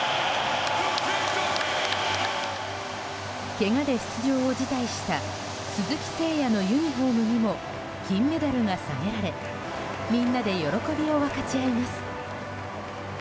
けがで出場を辞退した鈴木誠也のユニホームにも金メダルがさげられみんなで喜びを分かち合います。